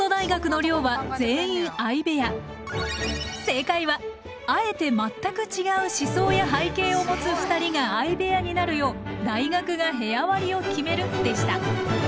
正解はあえて全く違う思想や背景を持つ２人が相部屋になるよう大学が部屋割りを決めるでした。